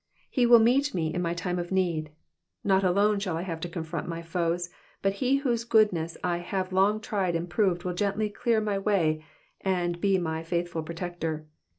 He will meet me in my time of need. Not alone shall I have to confront my foes, but he whose goodness I have long tried and proved will gently clear my way, and be my faithful protector.